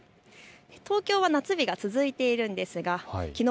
東京は夏日が続いているんですがきのう